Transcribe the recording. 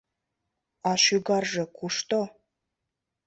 — А шӱгарже кушто?